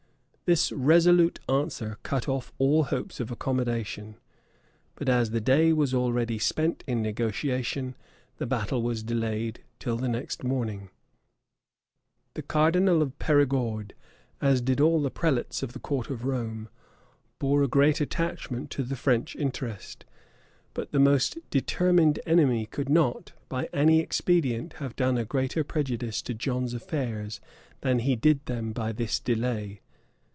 This resolute answer cut off all hopes of accommodation; but as the day was already spent in negotiating, the battle was delayed till the next morning.[*] * Froissard, liv. i. chap. 161. The cardinal of Perigord, as did all the prelates of the court of Rome, bore a great attachment to the French interest; but the most determined enemy could not, by any expedient, have done a greater prejudice to John's affairs, than he did them by this delay.